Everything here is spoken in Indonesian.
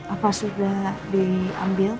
apa sudah diambil